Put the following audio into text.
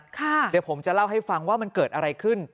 เดี๋ยวผมจะเล่าให้ฟังว่ามันเกิดอะไรขึ้น